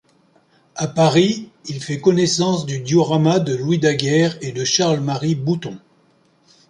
À Paris, il fait connaissance du diorama de Louis Daguerre et de Charles-Marie Bouton.